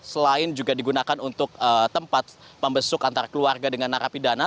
saung saung lain juga digunakan untuk tempat pembesuk antar keluarga dengan narapidana